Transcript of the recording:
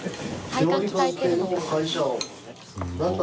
体幹鍛えてるのかな。